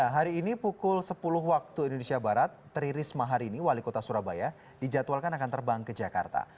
hari ini pukul sepuluh waktu indonesia barat tri risma hari ini wali kota surabaya dijadwalkan akan terbang ke jakarta